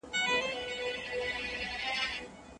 د الله تعالی لارښووني پرېښوول د څه شي سبب کيږي؟